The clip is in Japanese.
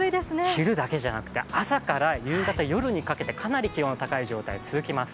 昼だけじゃなくて、朝から夕方、夜にかけてかなり気温の高い状態が続きます。